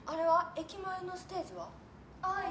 駅前のステージは？